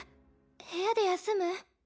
部屋で休む？